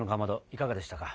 いかがでしたか。